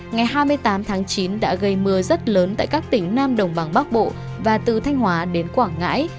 ngày hai mươi tám tháng chín đã gây mưa rất lớn tại các tỉnh nam đồng bằng bắc bộ và từ thanh hóa đến quảng ngãi